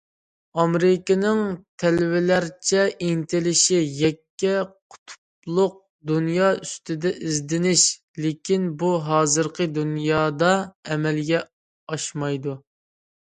ئامېرىكىنىڭ تەلۋىلەرچە ئىنتىلىشى يەككە قۇتۇپلۇق دۇنيا ئۈستىدە ئىزدىنىش، لېكىن بۇ، ھازىرقى دۇنيادا ئەمەلگە ئاشمايدۇ.